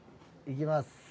いきます。